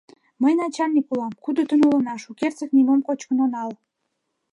Мый начальник улам, кудытын улына, шукертсек нимом кочкын онал!